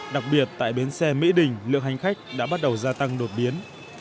đặc biệt tại bến xe mỹ đình lượng hành khách đã bắt đầu gia tăng đột biến